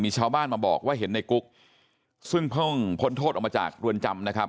มีชาวบ้านมาบอกว่าเห็นในกุ๊กซึ่งเพิ่งพ้นโทษออกมาจากเรือนจำนะครับ